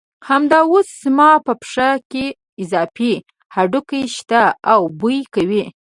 همدا اوس زما په پښه کې اضافي هډوکي شته او بوی کوي.